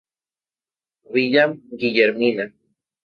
A Villa Guillermina